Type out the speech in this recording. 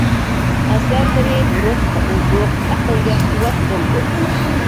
ئەسەرلىرى روھقا ئوزۇق، ئەقىلگە قۇۋۋەت بولىدۇ.